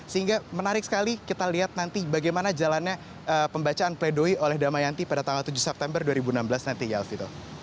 sehingga menarik sekali kita lihat nanti bagaimana jalannya pembacaan pledoi oleh damayanti pada tanggal tujuh september dua ribu enam belas nanti ya alvito